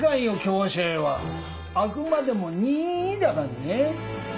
あくまでも任意だからね。